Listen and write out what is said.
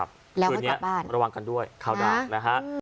คืนนี้ระวังกันด้วยข้าวดาวนะฮะ